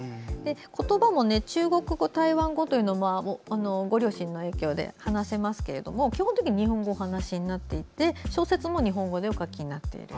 言葉も中国語、台湾語というのもご両親の影響でしゃべれますけど基本的に日本語をお話になっていて小説も、日本語でお書きになっている。